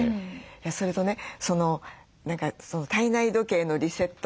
それとね体内時計のリセット